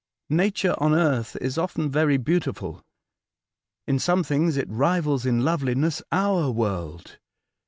Nature on earth is often very beautiful. In some things it rivals in loveliness our world.